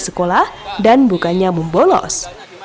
sekolah dan bukannya membolos